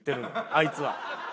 あいつは。